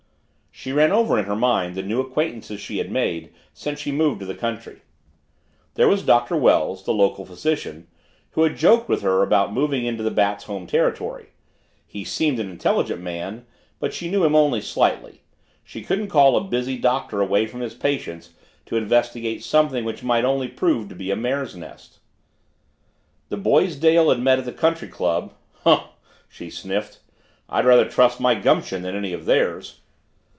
She ran over in her mind the new acquaintances she had made since she moved to the country. There was Doctor Wells, the local physician, who had joked with her about moving into the Bat's home territory He seemed an intelligent man but she knew him only slightly she couldn't call a busy Doctor away from his patients to investigate something which might only prove to be a mare's nest. The boys Dale had met at the country club "Humph!" she sniffed, "I'd rather trust my gumption than any of theirs."